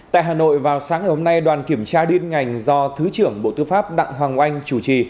tại hà nội vào sáng ngày hôm nay đoàn kiểm tra liên ngành do thứ trưởng bộ tư pháp đặng hoàng oanh chủ trì